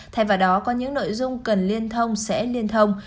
thay vào đó có những nội dung cần liên thông sẽ liên thông